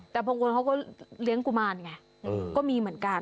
แต่บางคนเขาก็เลี้ยงกุมารไงก็มีเหมือนกัน